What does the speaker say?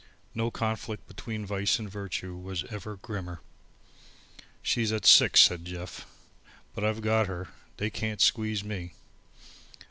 No conflict between vice and virtue was ever grimmer. "She's at six," said Jeff, "but I've got her. They can't squeeze me."